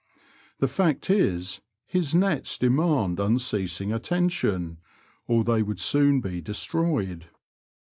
The fact is, his nets demand unceasing attention, or they would soon be destroyed.